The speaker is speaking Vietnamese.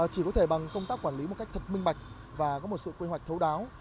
chỉ có thể bằng công tác quản lý một cách thật minh bạch và có một sự quy hoạch thấu đáo